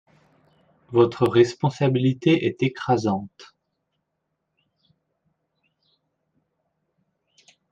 votre responsabilité est écrasante.